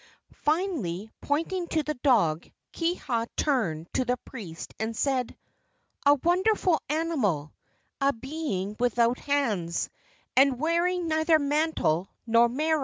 Finally, pointing to the dog, Kiha turned to the priest and said: "A wonderful animal a being without hands, and wearing neither mantle nor maro!"